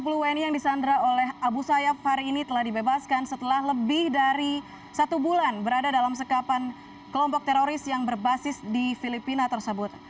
sepuluh wni yang disandra oleh abu sayyaf hari ini telah dibebaskan setelah lebih dari satu bulan berada dalam sekapan kelompok teroris yang berbasis di filipina tersebut